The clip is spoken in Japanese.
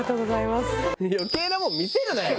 余計なもん見せるなよ。